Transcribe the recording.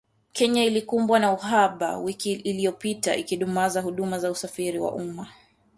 Kenya ilikumbwa na uhaba wiki iliyopita, ikidumaza huduma za usafiri wa umma